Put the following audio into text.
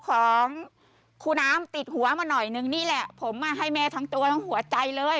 ของครูน้ำติดหัวมาหน่อยนึงนี่แหละผมให้แม่ทั้งตัวทั้งหัวใจเลย